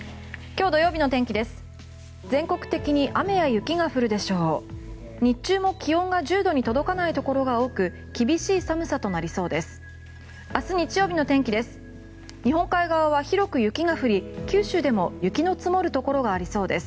日中も気温が１０度に届かないところが多く厳しい寒さとなりそうです。